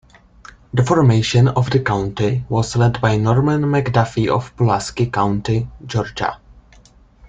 The formation of the county was led by Norman McDuffie of Pulaski County, Georgia.